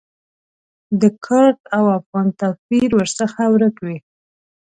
د کرد او افغان توپیر ورڅخه ورک وي.